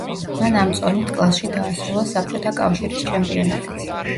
მან ამ წონით კლასში დაასრულა საბჭოთა კავშირის ჩემპიონატიც.